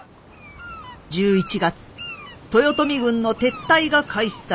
１１月豊臣軍の撤退が開始されました。